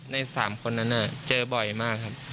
ใน๓คนนั้นเจอบ่อยมาก